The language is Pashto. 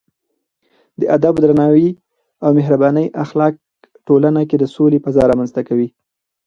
د ادب، درناوي او مهربانۍ اخلاق ټولنه کې د سولې فضا رامنځته کوي.